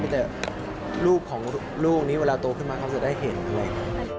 ไม่แต่ลูกของลูกนี้เวลาโตขึ้นมาครับจะได้เห็น